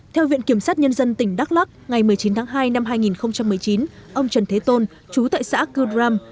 theo viện kiểm sát nhân dân tỉnh đắk lắc ngày một mươi chín tháng hai năm hai nghìn một mươi chín ông trần thế tôn chú tại xã cư đram